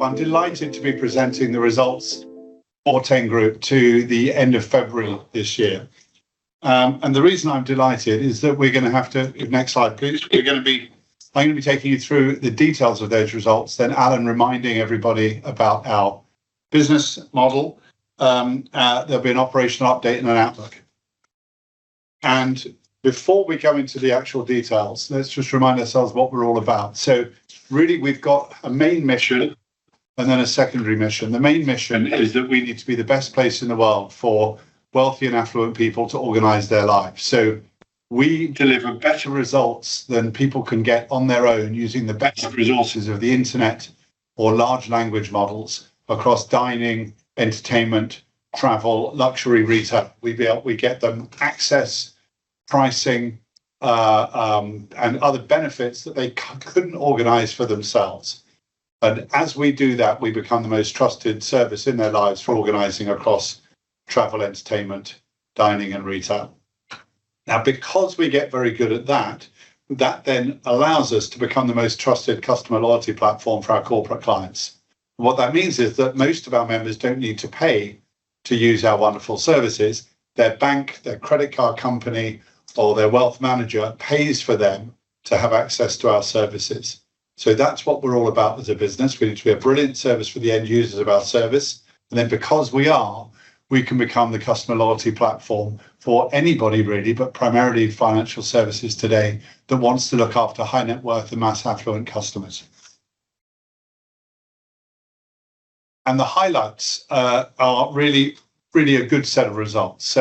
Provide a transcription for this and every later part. I'm delighted to be presenting the results for Ten Group to the end of February this year. The reason I'm delighted is that—next slide, please. I'm going to be taking you through the details of those results, then Alan reminding everybody about our business model. There'll be an operational update and an outlook. Before we go into the actual details, let's just remind ourselves what we're all about. Really, we've got a main mission and then a secondary mission. The main mission is that we need to be the best place in the world for wealthy and affluent people to organize their lives. We deliver better results than people can get on their own using the best resources of the internet or large language models across dining, entertainment, travel, luxury retail. We get them access, pricing, and other benefits that they couldn't organize for themselves. As we do that, we become the most trusted service in their lives for organizing across travel, entertainment, dining, and retail. Now, because we get very good at that then allows us to become the most trusted customer loyalty platform for our corporate clients. What that means is that most of our members don't need to pay to use our wonderful services. Their bank, their credit card company, or their wealth manager pays for them to have access to our services. That's what we're all about as a business. We need to be a brilliant service for the end users of our service. Because we are, we can become the customer loyalty platform for anybody really, but primarily financial services today that wants to look after high net worth and mass affluent customers. The highlights are really a good set of results.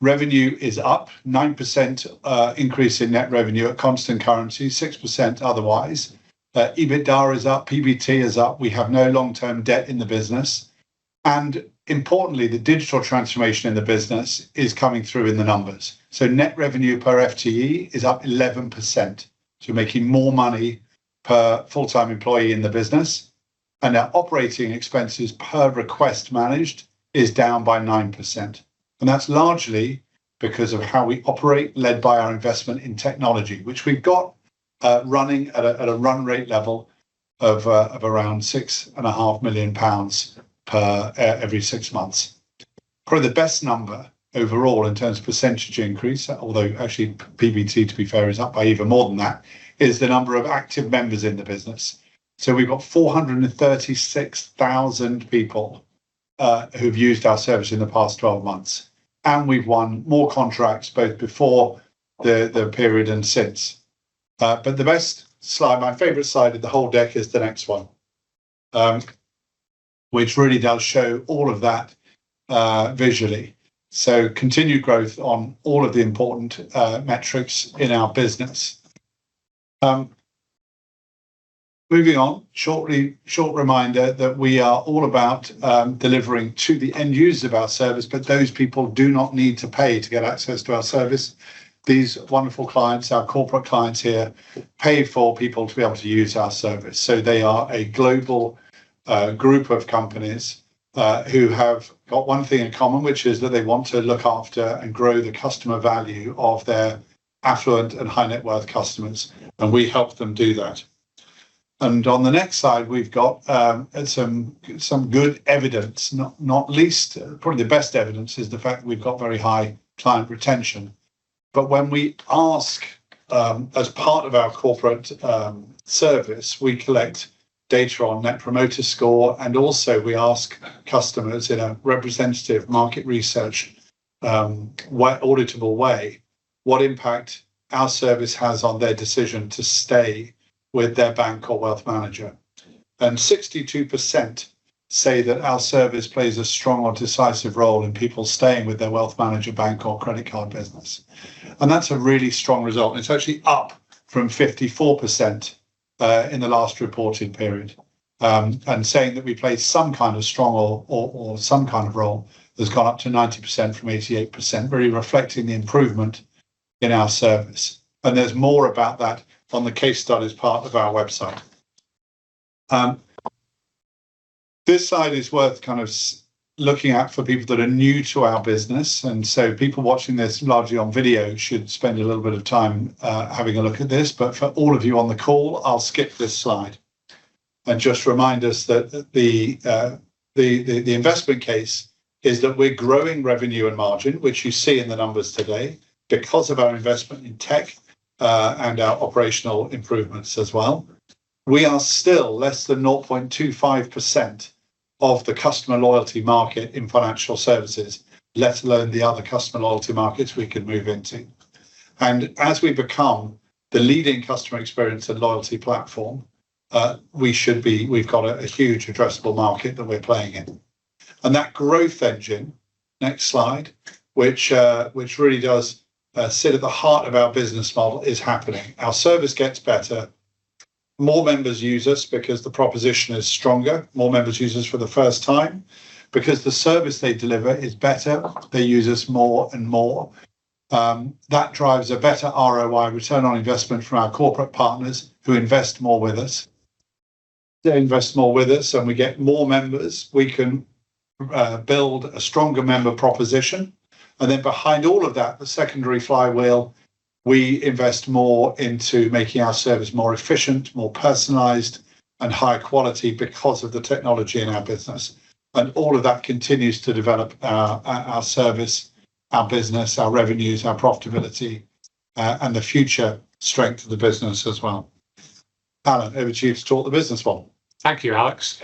Revenue is up 9%, increase in net revenue at constant currency, 6% otherwise. EBITDA is up, PBT is up. We have no long-term debt in the business. Importantly, the digital transformation in the business is coming through in the numbers. Net revenue per FTE is up 11%, so we're making more money per full-time employee in the business. Our operating expenses per request managed is down by 9%. That's largely because of how we operate, led by our investment in technology, which we've got running at a run rate level of around 6.5 million pounds every six months. Probably the best number overall in terms of percentage increase, although actually PBT, to be fair, is up by even more than that, is the number of active members in the business. We've got 436,000 people who've used our service in the past 12 months, and we've won more contracts both before the period and since. The best slide, my favorite slide of the whole deck, is the next one, which really does show all of that visually. Continued growth on all of the important metrics in our business. Moving on. Short reminder that we are all about delivering to the end users of our service, but those people do not need to pay to get access to our service. These wonderful clients, our corporate clients here, pay for people to be able to use our service. They are a global group of companies, who have got one thing in common, which is that they want to look after and grow the customer value of their affluent and high net worth customers, and we help them do that. On the next slide, we've got some good evidence, probably the best evidence is the fact that we've got very high client retention. When we ask, as part of our corporate service, we collect data on Net Promoter Score, and also we ask customers in a representative market research, auditable way, what impact our service has on their decision to stay with their bank or wealth manager. 62% say that our service plays a strong or decisive role in people staying with their wealth manager, bank or credit card business. That's a really strong result. It's actually up from 54% in the last reported period. Saying that we play some kind of strong or some kind of role, has gone up to 90% from 88%, really reflecting the improvement in our service. There's more about that on the case studies part of our website. This slide is worth kind of looking at for people that are new to our business, and so people watching this largely on video should spend a little bit of time having a look at this. For all of you on the call, I'll skip this slide and just remind us that the investment case is that we're growing revenue and margin, which you see in the numbers today, because of our investment in tech, and our operational improvements as well. We are still less than 0.25% of the customer loyalty market in financial services, let alone the other customer loyalty markets we could move into. As we become the leading customer experience and loyalty platform, we've got a huge addressable market that we're playing in. That growth engine, next slide, which really does sit at the heart of our business model, is happening. Our service gets better. More members use us because the proposition is stronger. More members use us for the first time. Because the service they deliver is better, they use us more and more. That drives a better ROI, return on investment, from our corporate partners who invest more with us. They invest more with us, and we get more members. We can build a stronger member proposition. Behind all of that, the secondary flywheel, we invest more into making our service more efficient, more personalized, and high quality because of the technology in our business. All of that continues to develop our service, our business, our revenues, our profitability, and the future strength of the business as well. Alan, over to you to talk the business model. Thank you, Alex.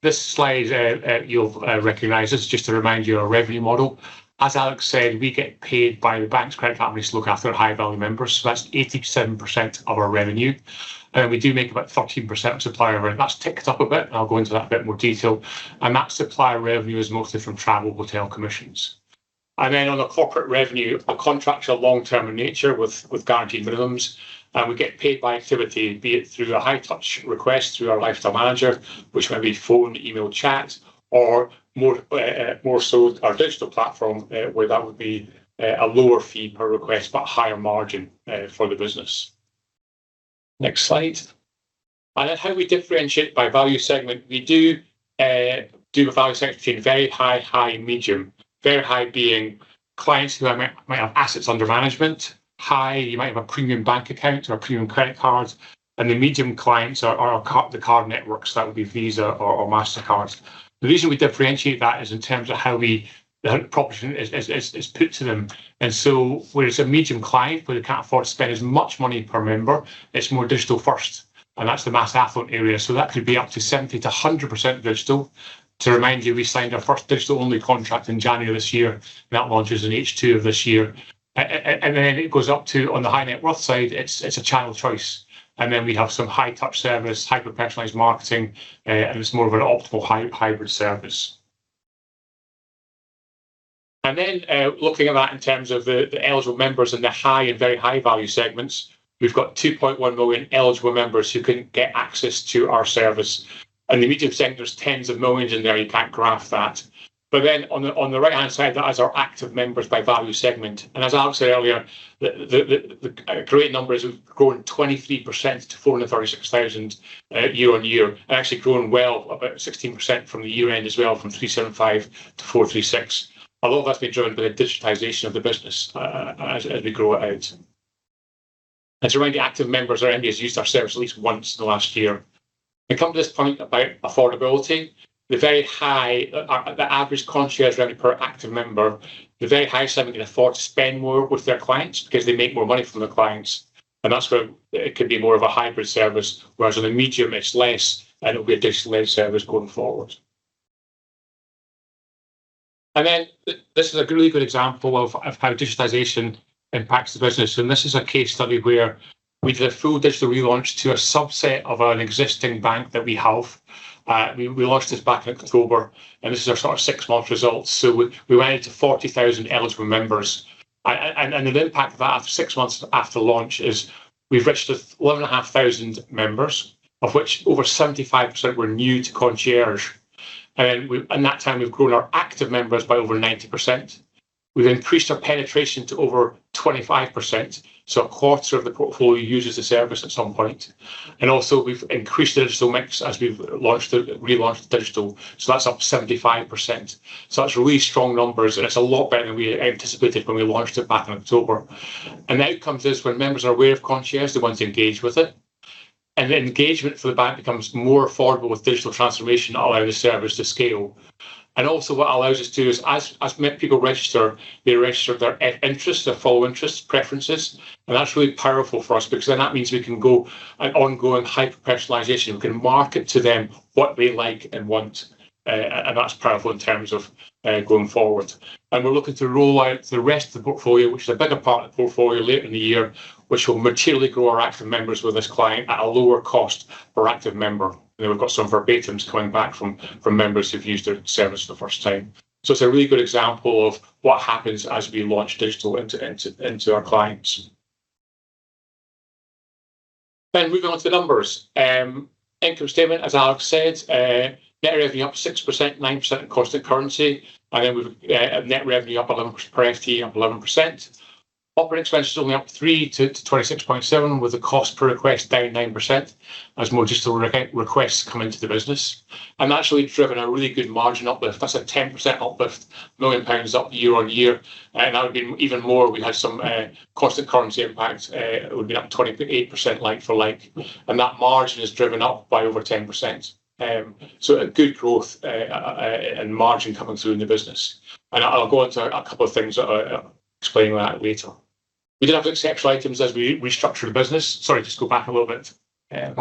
This slide you'll recognize. This is just to remind you of our revenue model. As Alex said, we get paid by the banks, credit card companies to look after their high-value members. So that's 87% of our revenue. We do make about 13% of supplier revenue. That's ticked up a bit, and I'll go into that in a bit more detail. That supplier revenue is mostly from travel hotel commissions. On the corporate revenue, our contracts are long-term in nature with guaranteed minimums, and we get paid by activity, be it through a high touch request, through our lifestyle manager, which may be phone, email, chat, or more so our digital platform, where that would be a lower fee per request, but higher margin for the business. Next slide. How we differentiate by value segment, we do have value segment between very high, high, and medium. Very high being clients who might have assets under management. High, you might have a premium bank account or a premium credit card. The medium clients are the card networks. That would be Visa or Mastercard. The reason we differentiate that is in terms of how the proposition is put to them. Where it's a medium client, where they can't afford to spend as much money per member, it's more digital first, and that's the mass affluent area. That could be up to 70%-100% digital. To remind you, we signed our first digital-only contract in January this year. That launches in H2 of this year. It goes up to, on the high net worth side, it's a channel choice. We have some high touch service, hyper-personalized marketing, and it's more of an optimal hybrid service. Looking at that in terms of the eligible members in the high and very high value segments, we've got 2.1 million eligible members who can get access to our service. In the medium segment, there's tens of millions in there, you can't graph that. On the right-hand side, that is our active members by value segment. As Alex said earlier, the current number has grown 23% to 436,000 year-over-year. Actually grown well about 16% from the year-end as well, from 375,000 to 436,000. A lot of that's been driven by the digitization of the business as we grow it out. To remind you, active members are anybody who's used our service at least once in the last year. We come to this point about affordability. The average Concierge revenue per active member, the very high segment can afford to spend more with their clients because they make more money from their clients, and that's where it could be more of a hybrid service, whereas in the medium it's less, and it'll be a digital-led service going forward. This is a really good example of how digitization impacts the business, and this is a case study where we did a full digital relaunch to a subset of an existing bank that we have. We launched this back in October, and this is our sort of six-month results. We went out to 40,000 eligible members. The impact of that six months after launch is we've registered 11,500 members, of which over 75% were new to Concierge. In that time, we've grown our active members by over 90%. We've increased our penetration to over 25%, so a quarter of the portfolio uses the service at some point. We've increased the digital mix as we've relaunched digital. That's up 75%. That's really strong numbers, and it's a lot better than we anticipated when we launched it back in October. The outcome of this, when members are aware of Concierge, they want to engage with it. The engagement for the bank becomes more affordable with digital transformation to allow the service to scale. What allows us to, as people register, they register their interests, their favorite interests, preferences. That's really powerful for us because then that means we can go an ongoing hyper-personalization. We can market to them what they like and want, and that's powerful in terms of going forward. We're looking to roll out the rest of the portfolio, which is a bigger part of the portfolio later in the year, which will materially grow our active members with this client at a lower cost per active member. We've got some verbatims coming back from members who've used the service for the first time. It's a really good example of what happens as we launch digital into our clients. Moving on to the numbers. Income statement, as Alex said, net revenue up 6%, 9% in constant currency. Net revenue per FTE up 11%. Operating expenses only up 3% to 26.7% with the cost per request down 9% as more digital requests come into the business. We've actually driven a really good margin uplift. That's a 10% uplift, million pounds up year-on-year. That would have been even more if we hadn't had some constant currency impact. It would be up 28% like for like. That margin is driven up by over 10%. A good growth and margin coming through in the business. I'll go into a couple of things that explain that later. We did have exceptional items as we restructured the business. Sorry, just go back a little bit. Then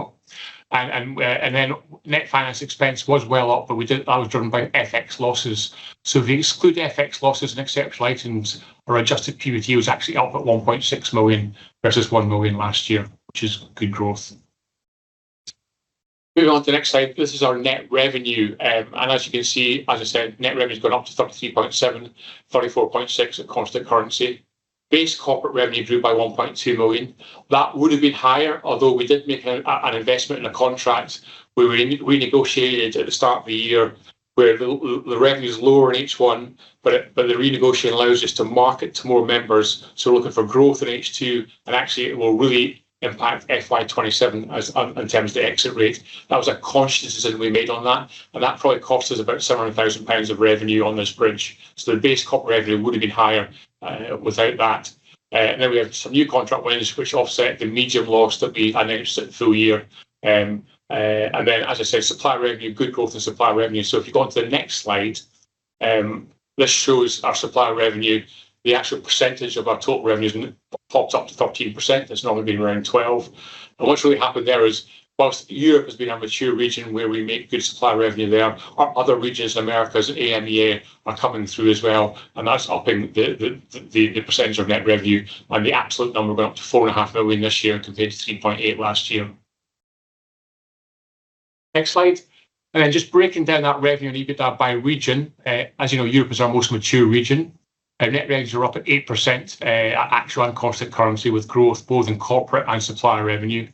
net finance expense was well up, but that was driven by FX losses. If you exclude FX losses and exceptional items, our adjusted PBT was actually up at 1.6 million versus 1 million last year, which is good growth. Moving on to the next slide. This is our net revenue. As you can see, as I said, net revenue's gone up to 33.7 million, 34.6 million at constant currency. Base corporate revenue grew by 1.2 million. That would've been higher, although we did make an investment in a contract we renegotiated at the start of the year where the revenue's lower in H1, but the renegotiation allows us to market to more members. We're looking for growth in H2, and actually it will really impact FY 2027 in terms of the exit rate. That was a conscious decision we made on that, and that probably cost us about 700,000 pounds of revenue on this bridge. The base corporate revenue would've been higher without that. We have some new contract wins, which offset the M&S loss that we announced at the full year. As I said, supplier revenue, good growth in supplier revenue. If you go on to the next slide, this shows our supplier revenue, the actual percentage of our total revenue, and it pops up to 13%. It's normally been around 12%. What's really happened there is while Europe has been our mature region where we make good supplier revenue there, our other regions, Americas, AMEA, are coming through as well, and that's upping the percentage of net revenue and the absolute number went up to 4.5 million this year compared to 3.8 million last year. Next slide. Just breaking down that revenue and EBITDA by region. As you know, Europe is our most mature region. Our net revenues are up at 8%, at actual and constant currency with growth both in corporate and supplier revenue.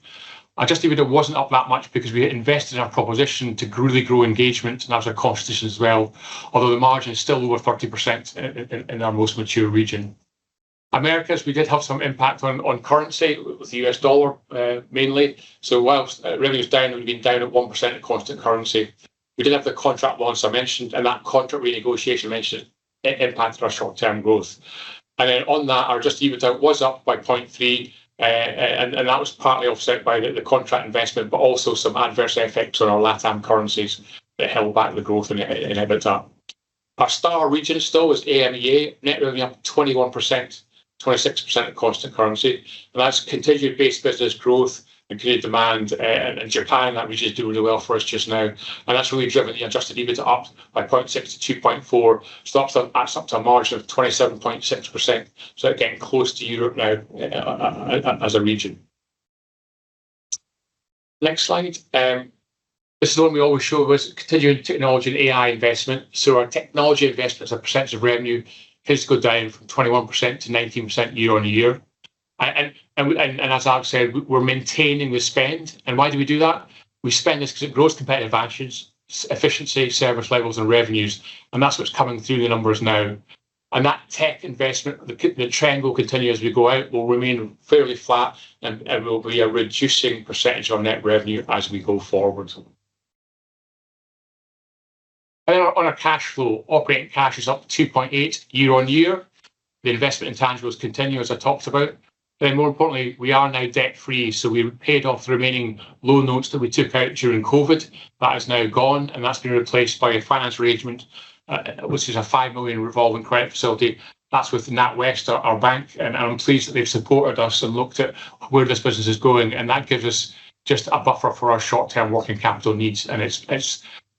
Adjusted EBITDA wasn't up that much because we had invested in our proposition to really grow engagement, and that was a cost as well, although the margin is still over 30% in our most mature region. Americas, we did have some impact on currency with the U.S. dollar, mainly. While revenue's down, we've been down 1% at constant currency. We did have the contract loss I mentioned, and that contract renegotiation mentioned impacted our short term growth. On that, our adjusted EBITDA was up by 0.3%. That was partly offset by the contract investment, but also some adverse effects on our LatAm currencies that held back the growth in EBITDA. Our star region still is AMEA. Net revenue up 21%, 26% at constant currency, and that's continued base business growth and clear demand in Japan. That region is doing really well for us just now. That's really driven the adjusted EBITDA up by 0.6-2.4, so that's up to a margin of 27.6%, so getting close to Europe now as a region. Next slide. This is one we always show on continuing technology and AI investment. Our technology investment as a percentage of revenue has gone down from 21% to 19% year-on-year. As Alex said, we're maintaining the spend. Why do we do that? We spend this because it grows competitive advantages, efficiency, service levels, and revenues, and that's what's coming through the numbers now. That tech investment, the trend will continue as we go out, will remain fairly flat and will be a reducing percentage of net revenue as we go forward. On our cash flow, operating cash is up to 2.8 million year-on-year. The investment in tangibles continue, as I talked about. More importantly, we are now debt-free, so we paid off the remaining loan notes that we took out during COVID. That has now gone, and that's been replaced by a finance arrangement, which is a 5 million revolving credit facility. That's with NatWest, our bank, and I'm pleased that they've supported us and looked at where this business is going. That gives us just a buffer for our short-term working capital needs, and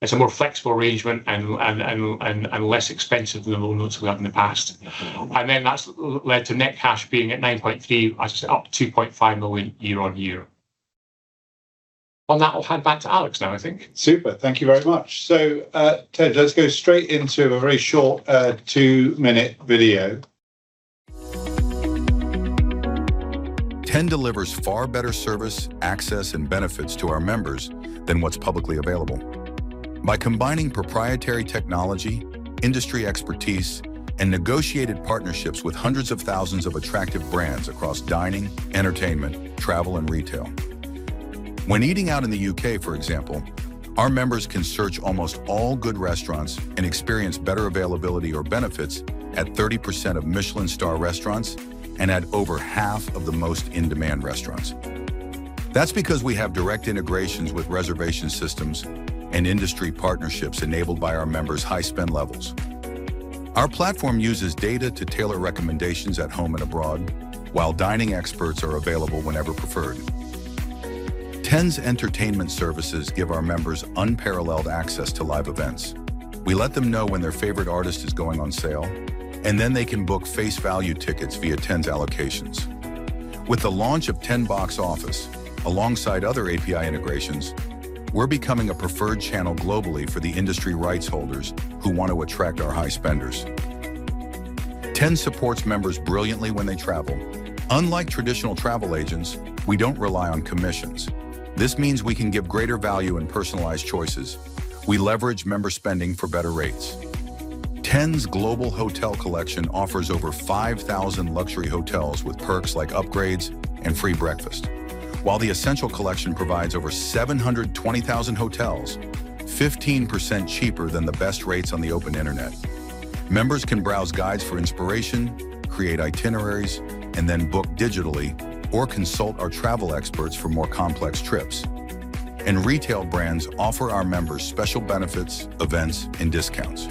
it's a more flexible arrangement and less expensive than the loan notes we've had in the past. That's led to net cash being at 9.3 million, as I said, up GBP 2.5 million year-on-year. On that, I'll hand back to Alex now, I think. Super. Thank you very much. Ed, let's go straight into a very short two-minute video. Ten delivers far better service, access, and benefits to our members than what's publicly available by combining proprietary technology, industry expertise, and negotiated partnerships with hundreds of thousands of attractive brands across dining, entertainment, travel, and retail. When eating out in the U.K., for example, our members can search almost all good restaurants and experience better availability or benefits at 30% of Michelin star restaurants and at over half of the most in-demand restaurants. That's because we have direct integrations with reservation systems and industry partnerships enabled by our members' high spend levels. Our platform uses data to tailor recommendations at home and abroad, while dining experts are available whenever preferred. Ten's entertainment services give our members unparalleled access to live events. We let them know when their favorite artist is going on sale, and then they can book face value tickets via Ten's allocations. With the launch of Ten Box Office, alongside other API integrations, we're becoming a preferred channel globally for the industry rights holders who want to attract our high spenders. Ten supports members brilliantly when they travel. Unlike traditional travel agents, we don't rely on commissions. This means we can give greater value and personalized choices. We leverage member spending for better rates. Ten's Global Hotel Collection offers over 5,000 luxury hotels with perks like upgrades and free breakfast. While the Essential Hotel Collection provides over 720,000 hotels 15% cheaper than the best rates on the open internet. Members can browse guides for inspiration, create itineraries, and then book digitally or consult our travel experts for more complex trips. Retail brands offer our members special benefits, events, and discounts.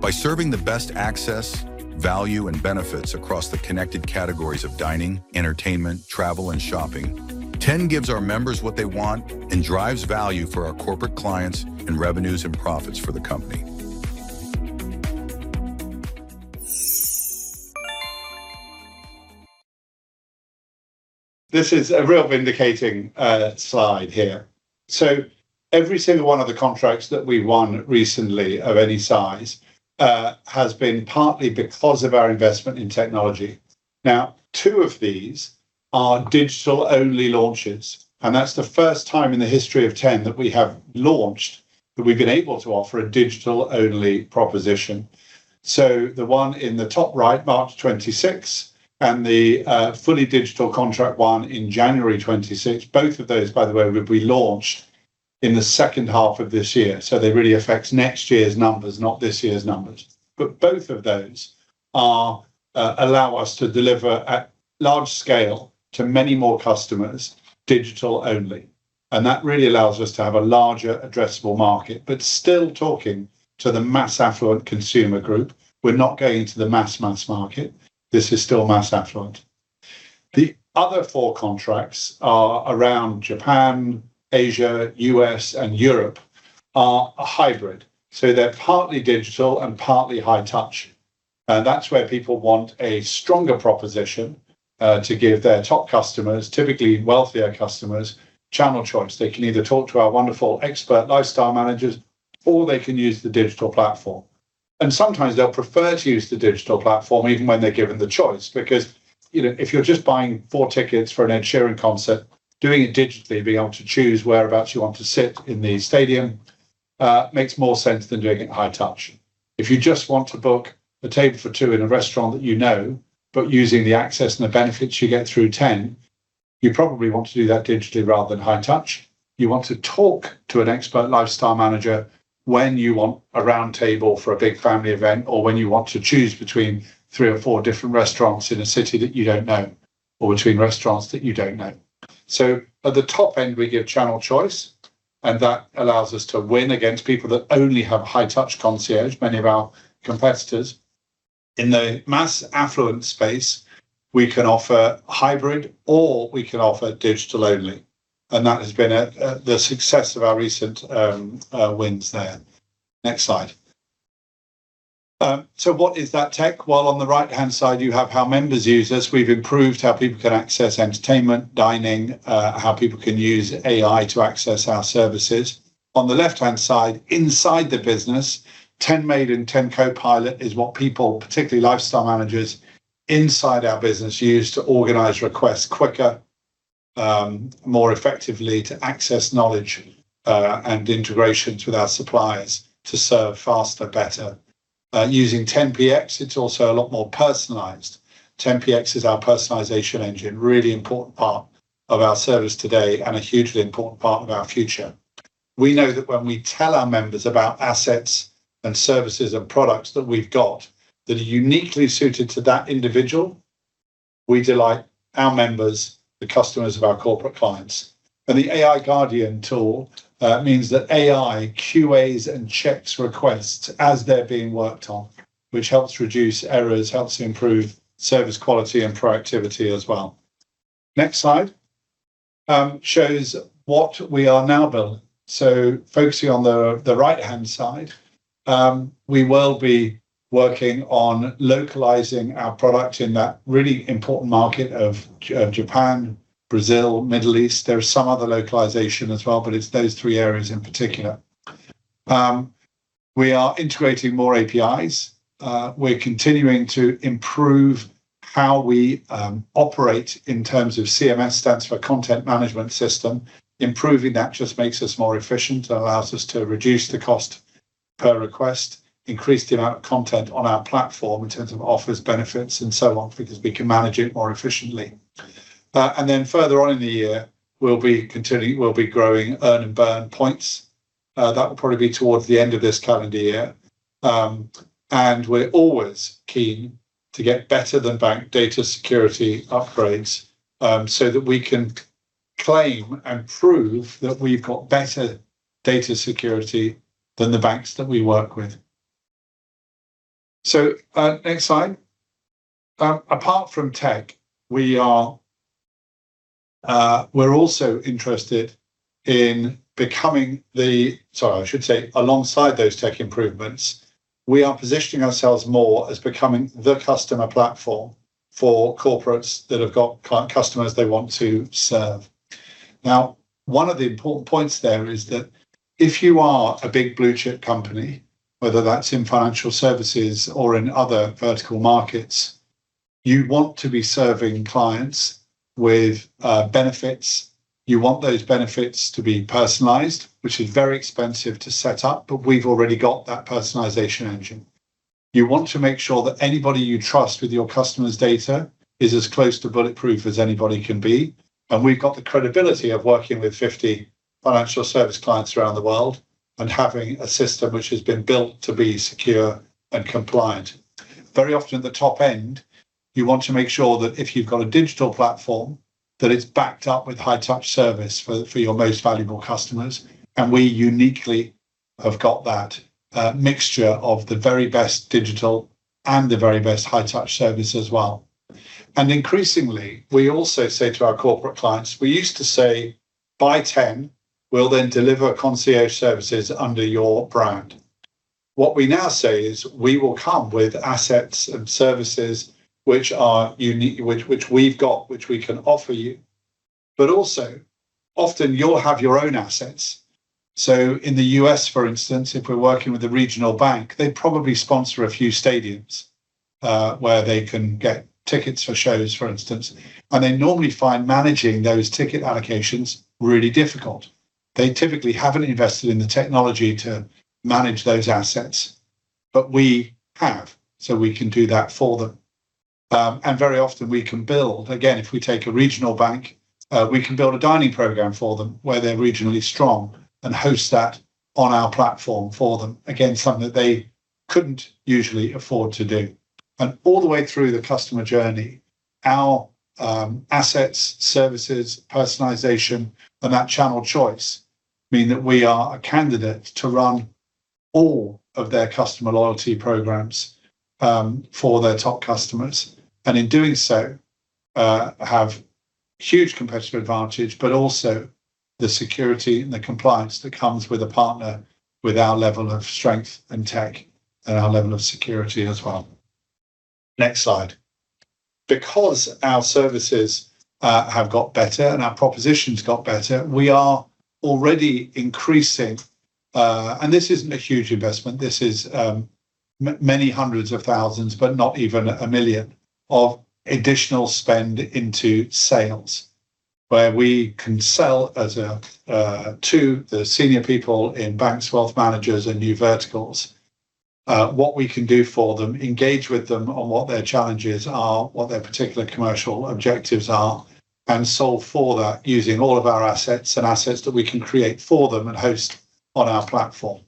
By serving the best access, value, and benefits across the connected categories of dining, entertainment, travel, and shopping, Ten gives our members what they want and drives value for our corporate clients in revenues and profits for the company. This is a real vindicating slide here. Every single one of the contracts that we won recently of any size has been partly because of our investment in technology. Now, two of these are digital-only launches, and that's the first time in the history of Ten that we have launched that we've been able to offer a digital-only proposition. The one in the top right, March 2026, and the fully digital contract one in January 2026, both of those, by the way, will be launched in the second half of this year. They really affect next year's numbers, not this year's numbers. Both of those allow us to deliver at large scale to many more customers, digital only. That really allows us to have a larger addressable market. Still talking to the mass affluent consumer group. We're not going into the mass market. This is still mass affluent. The other four contracts are around Japan, Asia, U.S. and Europe are a hybrid. They're partly digital and partly high touch. That's where people want a stronger proposition to give their top customers, typically wealthier customers, channel choice. They can either talk to our wonderful expert lifestyle managers, or they can use the digital platform. Sometimes they'll prefer to use the digital platform even when they're given the choice. Because if you're just buying four tickets for an Ed Sheeran concert, doing it digitally, being able to choose whereabouts you want to sit in the stadium makes more sense than doing it high touch. If you just want to book a table for two in a restaurant that you know, but using the access and the benefits you get through Ten, you probably want to do that digitally rather than high touch. You want to talk to an expert lifestyle manager when you want a round table for a big family event, or when you want to choose between three or four different restaurants in a city that you don't know, or between restaurants that you don't know. At the top end we give channel choice and that allows us to win against people that only have high touch concierge. Many of our competitors in the mass affluent space, we can offer hybrid or we can offer digital only. That has been the success of our recent wins there. Next slide. What is that tech? Well, on the right-hand side you have how members use us. We've improved how people can access entertainment, dining, how people can use AI to access our services. On the left-hand side, inside the business, Ten, TenMAID Copilot is what people, particularly lifestyle managers inside our business, use to organize requests quicker, more effectively to access knowledge and integrations with our suppliers to serve faster, better. Using Ten PX, it's also a lot more personalized. Ten PX is our personalization engine. Really important part of our service today and a hugely important part of our future. We know that when we tell our members about assets and services and products that we've got that are uniquely suited to that individual, we delight our members, the customers of our corporate clients. The Ten Guardian tool means that it QAs and checks requests as they're being worked on, which helps reduce errors, helps improve service quality and productivity as well. Next slide shows what we are now building. Focusing on the right-hand side, we will be working on localizing our product in that really important market of Japan, Brazil, Middle East. There are some other localization as well, but it's those three areas in particular. We are integrating more APIs. We're continuing to improve how we operate in terms of CMS, stands for content management system. Improving that just makes us more efficient and allows us to reduce the cost per request, increase the amount of content on our platform in terms of offers, benefits, and so on, because we can manage it more efficiently. Further on in the year, we'll be growing earn and burn points. That will probably be towards the end of this calendar year. We're always keen to get better-than-bank data security upgrades so that we can claim and prove that we've got better data security than the banks that we work with. Next slide. Apart from tech, alongside those tech improvements, we are positioning ourselves more as becoming the customer platform for corporates that have got customers they want to serve. Now, one of the important points there is that if you are a big blue chip company, whether that's in financial services or in other vertical markets, you want to be serving clients with benefits. You want those benefits to be personalized, which is very expensive to set up, but we've already got that personalization engine. You want to make sure that anybody you trust with your customers' data is as close to bulletproof as anybody can be. We've got the credibility of working with 50 financial service clients around the world and having a system which has been built to be secure and compliant. Very often at the top end, you want to make sure that if you've got a digital platform, that it's backed up with high touch service for your most valuable customers. We uniquely have got that mixture of the very best digital and the very best high touch service as well. Increasingly, we also say to our corporate clients, we used to say, "Buy Ten, we'll then deliver concierge services under your brand." What we now say is we will come with assets and services which are unique, which we've got, which we can offer you. But also, often you'll have your own assets. In the U.S., for instance, if we're working with a regional bank, they probably sponsor a few stadiums, where they can get tickets for shows, for instance. They normally find managing those ticket allocations really difficult. They typically haven't invested in the technology to manage those assets, but we have, so we can do that for them. Very often we can build. Again, if we take a regional bank, we can build a dining program for them where they're regionally strong and host that on our platform for them. Again, something that they couldn't usually afford to do. All the way through the customer journey, our assets, services, personalization, and that channel choice mean that we are a candidate to run all of their customer loyalty programs for their top customers, and in doing so, have huge competitive advantage, but also the security and the compliance that comes with a partner with our level of strength, and tech, and our level of security as well. Next slide. Because our services have got better and our propositions got better, we are already increasing, and this isn't a huge investment, this is many hundreds of thousands of GBP, but not even 1 million of additional spend into sales where we can sell to the senior people in banks, wealth managers and new verticals, what we can do for them, engage with them on what their challenges are, what their particular commercial objectives are, and solve for that using all of our assets and assets that we can create for them and host on our platform.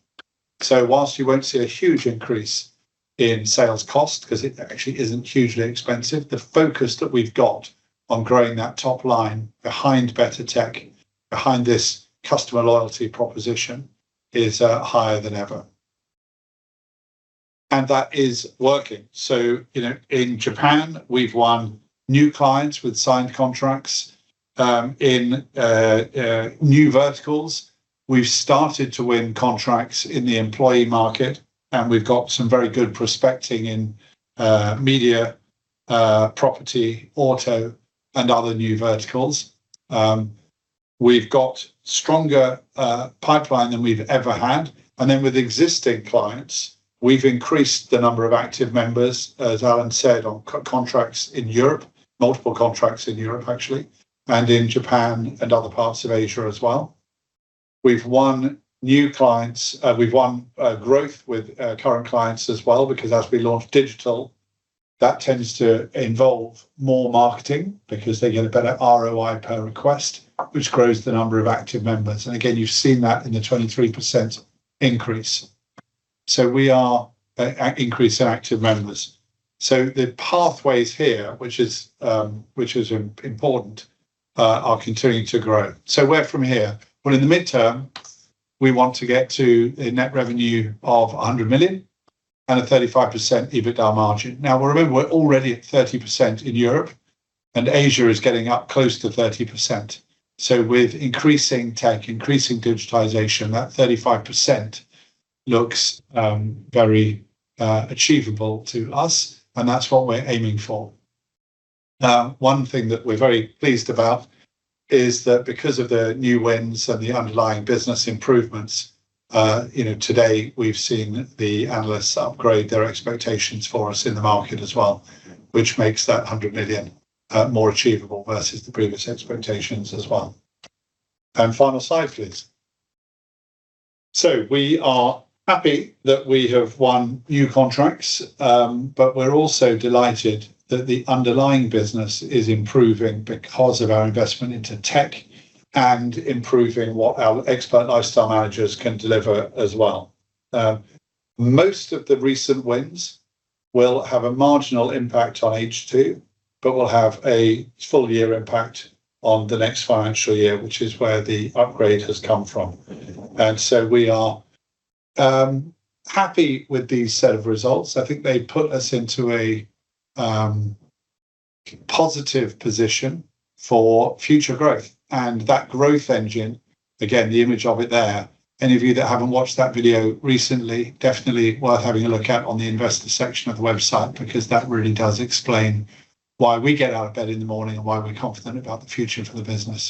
While you won't see a huge increase in sales cost because it actually isn't hugely expensive, the focus that we've got on growing that top line behind better tech, behind this customer loyalty proposition is higher than ever. That is working. In Japan, we've won new clients with signed contracts, in new verticals. We've started to win contracts in the employee market, and we've got some very good prospecting in media, property, auto and other new verticals. We've got stronger pipeline than we've ever had. With existing clients, we've increased the number of active members, as Alan said, on contracts in Europe, multiple contracts in Europe actually, and in Japan and other parts of Asia as well. We've won new clients, we've won growth with current clients as well because as we launch digital, that tends to involve more marketing because they get a better ROI per request, which grows the number of active members. You've seen that in the 23% increase. We are increasing active members. The pathways here, which is important, are continuing to grow. Where from here? Well, in the midterm, we want to get to a net revenue of 100 million and a 35% EBITDA margin. Now remember, we're already at 30% in Europe, and Asia is getting up close to 30%. With increasing tech, increasing digitization, that 35% looks very achievable to us, and that's what we're aiming for. Now, one thing that we're very pleased about is that because of the new wins and the underlying business improvements, today we've seen the analysts upgrade their expectations for us in the market as well, which makes that 100 million more achievable versus the previous expectations as well. Final slide, please. We are happy that we have won new contracts, but we're also delighted that the underlying business is improving because of our investment into tech and improving what our expert lifestyle managers can deliver as well. Most of the recent wins will have a marginal impact on H2, but will have a full-year impact on the next financial year, which is where the upgrade has come from. We are happy with these set of results. I think they put us into a positive position for future growth. That growth engine, again, the image of it there, any of you that haven't watched that video recently, definitely worth having a look at on the investor section of the website, because that really does explain why we get out of bed in the morning and why we're confident about the future for the business.